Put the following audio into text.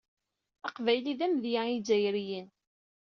Aqbayli d amedya i yizzayriyen.